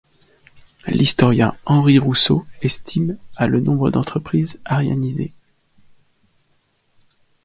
L'historien Henry Rousso estime à le nombre d'entreprises aryanisées.